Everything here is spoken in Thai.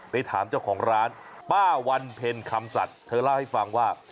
ไปถามเจ้าของร้านป้าวันเพ็ญคำสัตว์เธอเล่าให้ฟังว่า